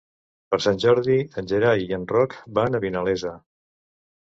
Per Sant Jordi en Gerai i en Roc van a Vinalesa.